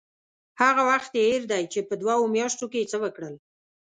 هغه وخت یې هېر دی چې په دوو میاشتو کې یې څه وکړل.